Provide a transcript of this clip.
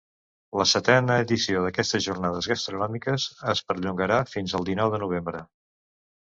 La setena edició d’aquestes jornades gastronòmiques es perllongarà fins al dinou de novembre.